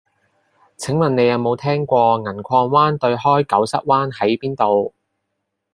請問你有無聽過銀礦灣對開狗虱灣喺邊度